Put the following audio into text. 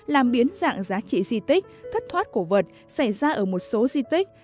làm biến dạng giá trị di tích thất thoát cổ vật xảy ra ở một số di tích